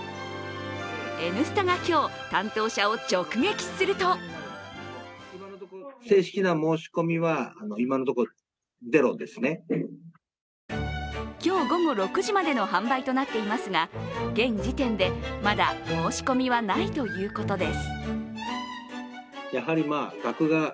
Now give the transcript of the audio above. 「Ｎスタ」が今日、担当者を直撃すると今日午後６時までの販売となっていますが現時点で、まだ申し込みはないということです。